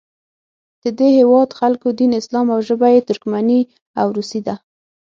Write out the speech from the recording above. د دې هیواد خلکو دین اسلام او ژبه یې ترکمني او روسي ده.